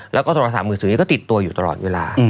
แล้วก็โทรศัพท์มือถือนี้ก็ติดตัวอยู่ตลอดเวลา